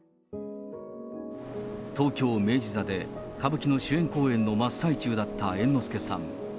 東京・明治座で歌舞伎の主演公演の真っ最中だった猿之助さん。